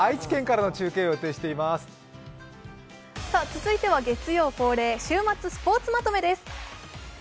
続いては月曜恒例週末スポーツまとめです。